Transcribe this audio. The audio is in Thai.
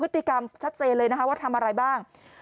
ทำชัดเจนเลยว่าทำอะไรบ้าง